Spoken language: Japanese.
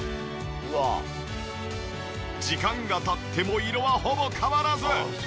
時間が経っても色はほぼ変わらず！